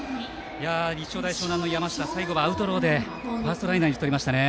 立正大淞南の山下最後はアウトローでファーストライナーに打ち取りましたね。